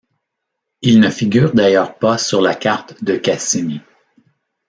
Il ne figure d'ailleurs pas sur la carte de Cassini.